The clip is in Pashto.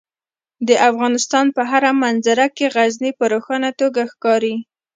د افغانستان په هره منظره کې غزني په روښانه توګه ښکاري.